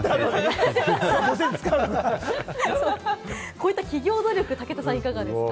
こういった企業努力、武田さん、いかがですか？